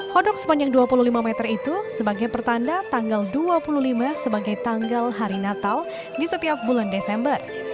hoduk sepanjang dua puluh lima meter itu sebagai pertanda tanggal dua puluh lima sebagai tanggal hari natal di setiap bulan desember